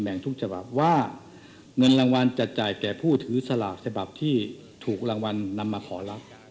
เพื่อถูกถือสลากที่ถูกรางวัลนำมาขอรับ